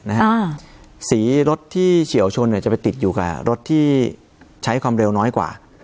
สีรถที่เฉียวชนเนี่ยจะไปติดอยู่กับรถที่ใช้ความเร็วน้อยกว่า